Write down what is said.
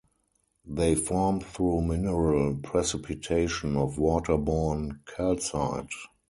They form through mineral precipitation of water-borne calcite.